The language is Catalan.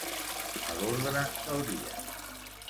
A l'ordre del dia.